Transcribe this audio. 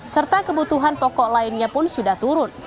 serta kebutuhan pokok lainnya pun sudah turun